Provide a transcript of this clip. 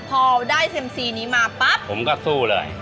พอได้เซ็มซีนี้มาปั๊บผมก็สู้เลย